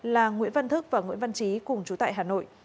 là nguyễn văn thức và nguyễn văn trí cùng chú tại hà nội